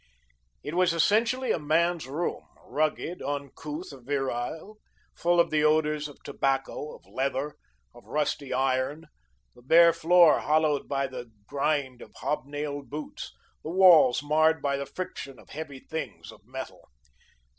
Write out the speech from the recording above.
It was essentially a man's room, rugged, uncouth, virile, full of the odours of tobacco, of leather, of rusty iron; the bare floor hollowed by the grind of hob nailed boots, the walls marred by the friction of heavy things of metal.